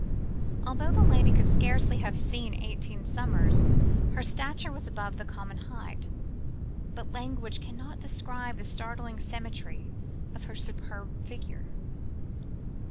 Although the lady could scarcely have seen eighteen summers, her stature was above the common height; but language cannot describe the startling symmetry of her superb figure.